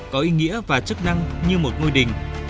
có ý nghĩa và chức năng như một ngôi đình